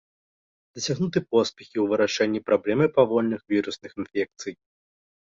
Дасягнуты поспехі ў вырашэнні праблемы павольных вірусных інфекцый.